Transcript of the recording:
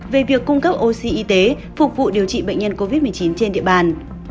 về việc cung cấp oxy y tế phục vụ điều trị bệnh nhân covid một mươi chín trên địa bàn